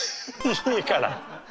いいから。